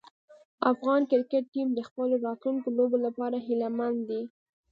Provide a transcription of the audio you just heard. افغان کرکټ ټیم د خپلو راتلونکو لوبو لپاره هیله مند دی.